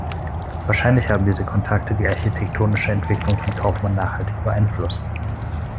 Wahrscheinlich haben diese Kontakte die architektonische Entwicklung von Kaufmann nachhaltig beeinflusst.